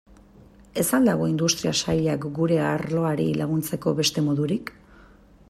Ez al dago Industria Sailak gure arloari laguntzeko beste modurik?